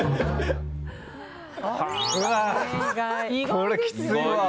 これ、きついわ。